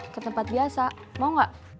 ke tempat biasa mau gak